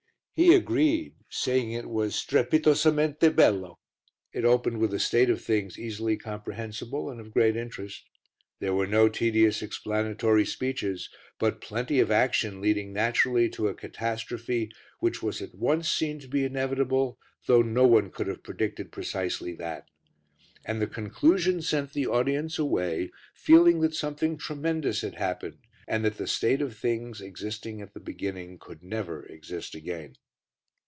He agreed, saying it was "strepitosamente bello." It opened with a state of things easily comprehensible and of great interest. There were no tedious explanatory speeches, but plenty of action leading naturally to a catastrophe which was at once seen to be inevitable, though no one could have predicted precisely that. And the conclusion sent the audience away feeling that something tremendous had happened, and that the state of things existing at the beginning could never exist again.